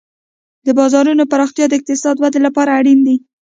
د بازارونو پراختیا د اقتصادي ودې لپاره اړین دی.